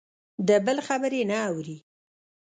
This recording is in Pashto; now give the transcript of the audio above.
د بل خبرې نه اوري.